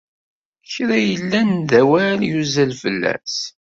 Kra yellan d awal yuzzel fell-as.